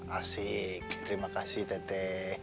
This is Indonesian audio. asik terima kasih tete